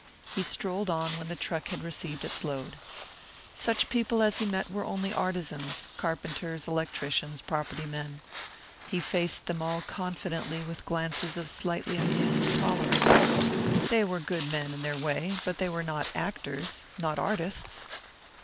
He strolled on when the truck had received its load. Such people as he had met were only artisans, carpenters, electricians, property men. He faced them all confidently, with glances of slightly amused tolerance. They were good men in their way but they were not actors not artists.